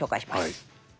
はい。